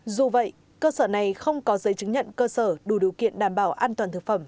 dù vậy cơ sở này không có giấy chứng nhận cơ sở đủ điều kiện đảm bảo an toàn thực phẩm